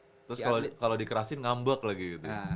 terus kalau di kerasin ngambek lagi gitu